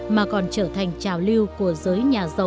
mà còn trở thành trào lưu của giới nhà giàu